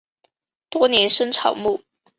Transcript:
多年生草本。